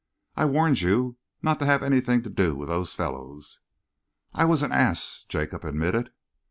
I warned you not to have anything to do with those fellows." "I was an ass," Jacob admitted.